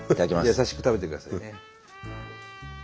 優しく食べてくださいね。